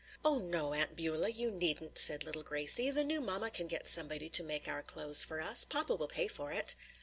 "Oh, no, Aunt Beulah, you needn't," said little Gracie, "the new mamma can get somebody to make our clothes for us. Papa will pay for it."